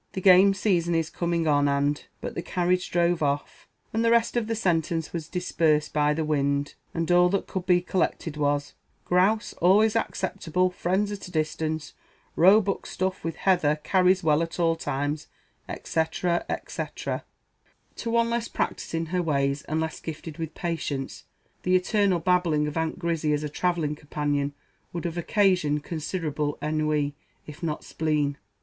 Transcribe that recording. "The game season is coming on, and " But the carriage drove off; and the rest of the sentence was dispersed by the wind; and all that could be collected was, "grouse always acceptable friends at a distance roebuck stuffed with heather carries well at all times," etc. etc. To one less practised in her ways, and less gifted with patience, the eternal babbling of Aunt Grizzy as a travelling companion would have occasioned considerable ennui, if not spleen.